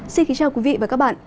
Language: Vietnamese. xin kính chào quý vị và các bạn